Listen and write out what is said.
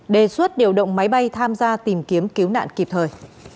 đề xuất điều động máy bay tham gia tìm kiếm cứu nạn kịp thời